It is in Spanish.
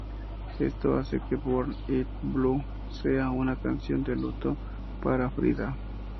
Esto hace que "Burn It Blue" sea una canción de luto para Frida.